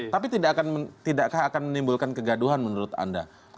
tapi tidakkah akan menimbulkan kegaduhan menurut anda